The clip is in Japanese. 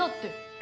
え？